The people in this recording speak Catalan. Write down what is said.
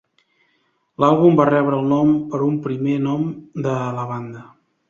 L'àlbum va rebre el nom per un primer nom de la banda.